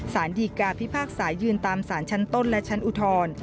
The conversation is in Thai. สารดีกาพิพากษายืนตามสารชั้นต้นและชั้นอุทธร